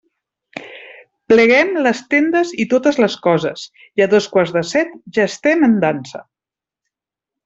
Pleguem les tendes i totes les coses, i a dos quarts de set ja estem en dansa.